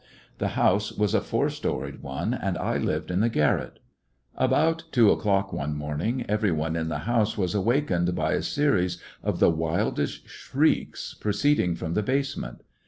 The house was a four storied one, and I lived in the garret. About two o'clock one morning every one in the house was awakened by a series of the wildest shrieks, proceeding from the basement.